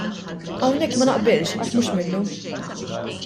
Hawnhekk ma naqbilx għax mhux minnu.